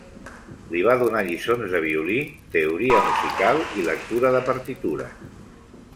Li va donar lliçons de violí, teoria musical i lectura de partitures.